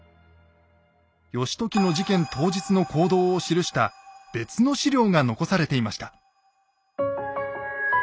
義時の事件当日の行動を記した別の史料が残されていました。